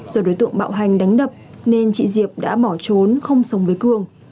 do đối tượng bạo hành đánh đập nên chị diệp đã bỏ trốn không sống với cương